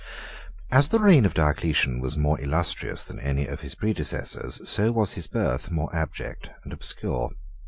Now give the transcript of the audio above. As the reign of Diocletian was more illustrious than that of any of his predecessors, so was his birth more abject and obscure.